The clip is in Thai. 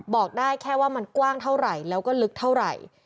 บอกได้แค่ว่ามันกว้างเท่าไหร่แล้วก็ลึกเท่าไหร่